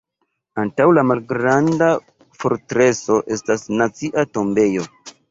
Antaŭ La malgranda fortreso estas Nacia tombejo.